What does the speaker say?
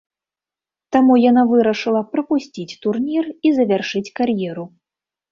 Таму яна вырашыла прапусціць турнір і завяршыць кар'еру.